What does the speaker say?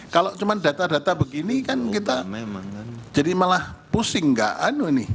kalau cuma data data begini kan kita memang kan jadi malah pusing gak anu ini